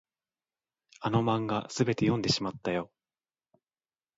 あの漫画、すべて読んでしまったよ。